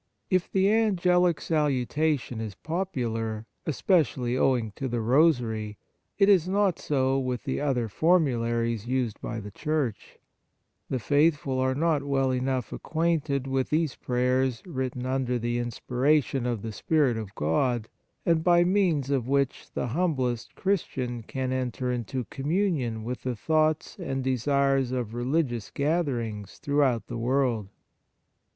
If the angelic salutation is popular, especially owing to the Rosary, it is not so with the other formularies used by the Church ; the faithful are not well enough acquainted with these prayers written under the in spiration of the Spirit of God, and by means of which the humblest Christian can enter into communion with the thoughts and desires of religious gatherings throughout the world.